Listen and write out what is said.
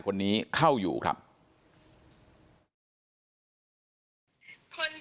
คนที่มาสมัครแตกก็ชื่น